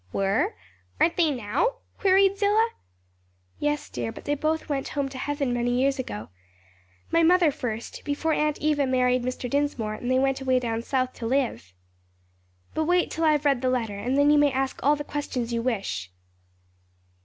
"Were? Aren't they now?" queried Zillah. "Yes, dear, but they both went home to heaven many years ago. My mother first before Aunt Eva married Mr. Dinsmore and went away down south to live. "But wait till I have read the letter and then you may ask all the questions you wish."